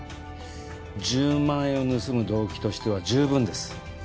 １０万円を盗む動機としては十分です。